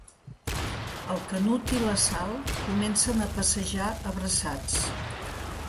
El Canut i la Sal comencen a passejar abraçats.